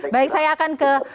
baik saya akan ke